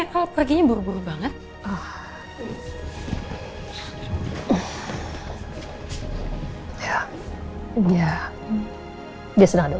sebenernya saya gak harus menceritakan ini ke kamu